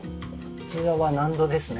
こちらは納戸ですね。